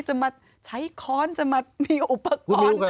จะมาใช้ค้อนจะมามีอุปกรณ์